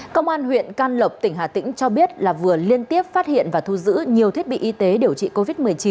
công an huyện can lộc tỉnh hà tĩnh cho biết là vừa liên tiếp phát hiện và thu giữ nhiều thiết bị y tế điều trị covid một mươi chín